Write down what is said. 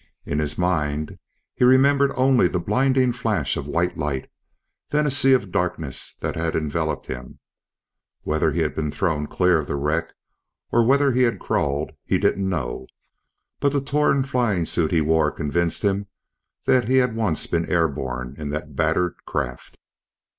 In his mind, he remembered only the blinding flash of white light, then a sea of darkness that had enveloped him. Whether he had been thrown clear of the wreck, or whether he had crawled, he didn't know. But the torn flying suit he wore convinced him that he had once been airborne in that battered craft.